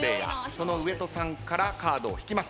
その上戸さんからカードを引きます。